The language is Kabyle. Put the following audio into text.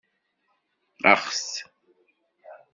Axet!